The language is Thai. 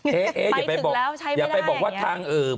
ไปถึงแล้วใช้ไม่ได้อย่างนี้อย่าไปบอกว่าทาง